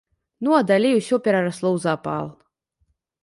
Ну, а далей усё перарасло ў запал.